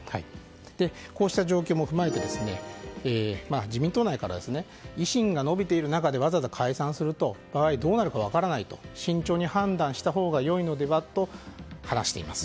こうした状況も踏まえて自民党内からは維新が伸びている中でわざわざ解散するとどうなるか分からないと慎重に判断したほうがいいのではと話しています。